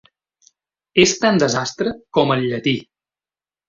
És tan desastre com el llatí.